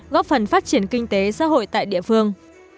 góp phần phát triển kinh tế xã hội tại địa phương